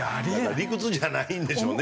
理屈じゃないんでしょうね。